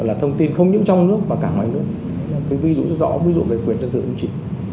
là thông tin không những trong nước mà cả ngoài nước ví dụ rất rõ ví dụ về quyền dân sự cũng chỉ